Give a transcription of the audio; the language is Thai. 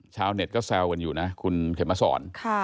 ชาวเน็ตก็แซวกันอยู่นะคุณเข็มมาสอน